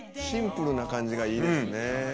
シンプルな感じがいいですね。